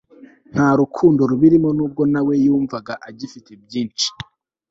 nta rukundo rubirimo nubwo nawe yumvaga agifite byinshi